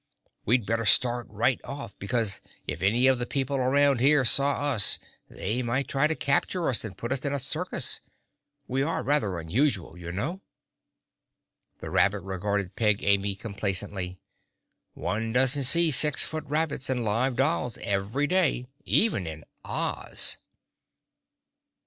We'd better start right off, because if any of the people around here saw us they might try to capture us and put us in a circus. We are rather unusual, you know." The rabbit regarded Peg Amy complacently. "One doesn't see six foot rabbits and live dolls every day, even in Oz!"